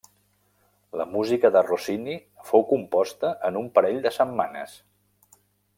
La música de Rossini fou composta en un parell de setmanes.